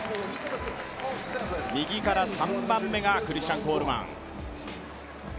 右から３番目がクリスチャン・コールマン。